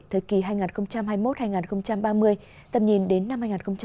thời kỳ hai nghìn hai mươi một hai nghìn ba mươi tầm nhìn đến năm hai nghìn năm mươi